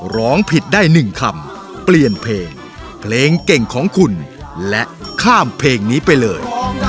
ร้องผิดได้๑คำเปลี่ยนเพลงเพลงเก่งของคุณและข้ามเพลงนี้ไปเลย